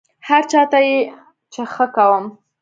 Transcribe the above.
هر چا ته چې ښه کوم،